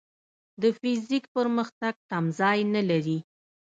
د فزیک پرمختګ تمځای نه لري.